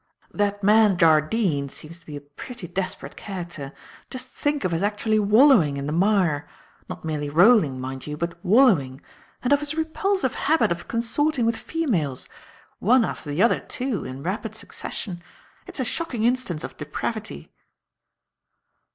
"That man, Jardine, seems to be a pretty desperate character. Just think of his actually wallowing in the mire not merely rolling, mind you, but wallowing and of his repulsive habit of consorting with females; one after the other, too, in rapid succession. It's a shocking instance of depravity."